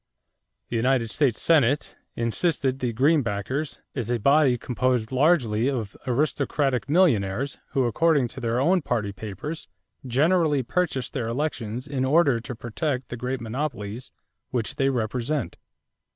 "The United States Senate," insisted the Greenbackers, "is a body composed largely of aristocratic millionaires who according to their own party papers generally purchased their elections in order to protect the great monopolies which they represent."